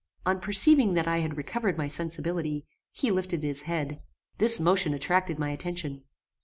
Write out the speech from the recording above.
On perceiving that I had recovered my sensibility, he lifted his head. This motion attracted my attention.